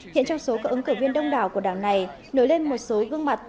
hiện trong số các ứng cử viên đông đảo của đảng này nổi lên một số gương mặt